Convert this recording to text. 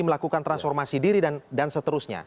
melakukan transformasi diri dan seterusnya